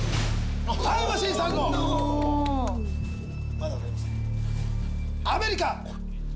まだ分かりません。